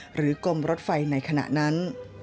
หรือกลมรถไฟในขณะนั้น